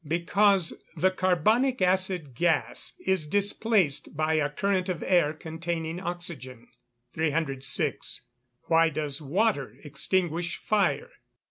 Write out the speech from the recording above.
_ Because the carbonic acid gas is displaced by a current of air containing oxygen. 306. _Why does water extinguish fire?